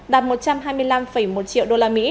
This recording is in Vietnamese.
đạt một trăm hai mươi năm một triệu usd